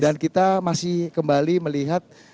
dan kita masih kembali melihat